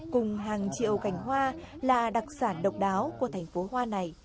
cùng hàng triệu cành hoa là đặc sản độc đáo của thành phố hoa này